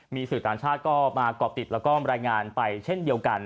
มีสื่อต่างชาติก็มาก่อติดแล้วก็รายงานไปเช่นเดียวกัน